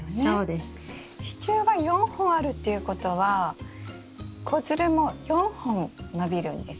支柱が４本あるっていうことは子づるも４本伸びるんですか？